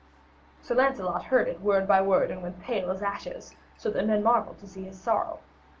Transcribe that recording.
Sir Lancelot heard it word by word and went pale as ashes, so that men marvelled to see his sorrow.